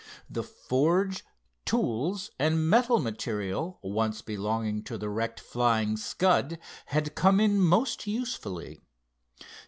The forge, tools and metal material once belonging to the wrecked Flying Scud had come in most usefully.